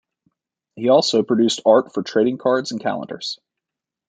He also produced art for trading cards and calendars.